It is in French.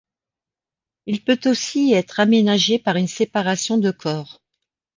Il peut aussi être aménagé par une séparation de corps.